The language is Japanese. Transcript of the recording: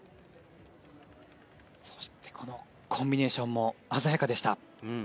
そしてこのコンビネーションも鮮やかでした。